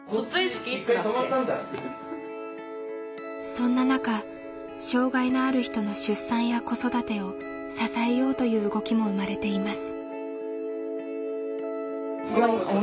そんな中障害のある人の出産や子育てを支えようという動きも生まれています。